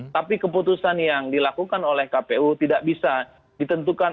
tapi keputusan yang dilakukan oleh kpu tidak bisa ditentukan